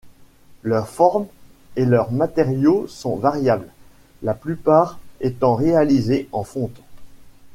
Leur forme et leur matériau sont variables, la plupart étant réalisées en fonte.